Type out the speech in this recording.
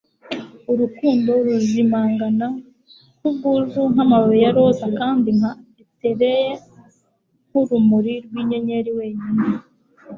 Urukundo ruzimangana nkubwuzu nkamababi ya roza kandi nka etereal nkurumuri rwinyenyeri wenyine